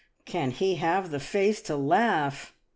Can he have the face to laugh!